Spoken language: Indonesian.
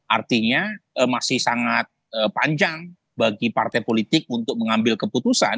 artinya masih sangat panjang bagi partai politik untuk mengambil keputusan